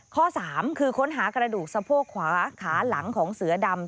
ข้อ๓คือค้นหากระดูกสะโพกขวาขาหลังของเสือดำ